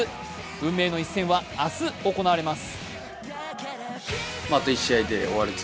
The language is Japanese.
運命の一戦は明日行われます。